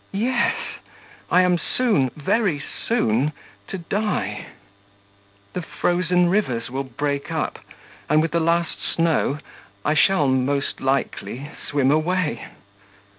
Yes, I am soon, very soon, to die. The frozen rivers will break up, and with the last snow I shall, most likely, swim away